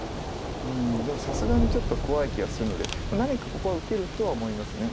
でもさすがにちょっと怖い気がするので何かここは受けるとは思います。